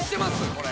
これ。